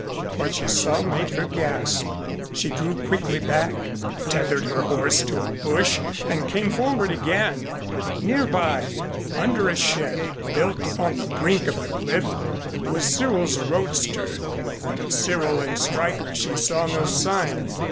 What she saw made her gasp. She drew quickly back, tethered her horse to a bush and came forward again. Near by, under a shed built on the brink of the cliff, was Cyril's roadster, but of Cyril and Stryker she saw no sign.